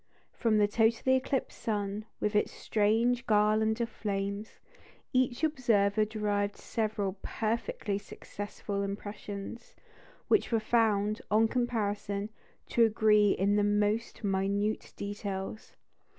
From the totally eclipsed sun, with its strange garland of flames, each observer derived several perfectly successful impressions, which were found, on comparison, to agree in the most minute details.